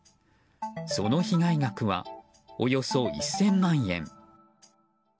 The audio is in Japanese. その被害額はおよそ１０００万円。